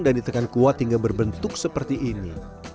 dan ditekan kuat hingga berbentuk seperti ini